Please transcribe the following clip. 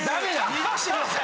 濁してください。